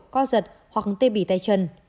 co giật hoặc tê bì tay chân